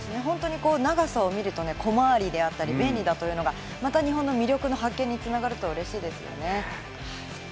長さを見ると小回りであったり便利だなというのが、また日本の魅力の発見に繋がるとうれしいですね。